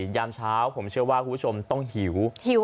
ยามเช้าผมเชื่อว่าคุณผู้ชมต้องหิวหิว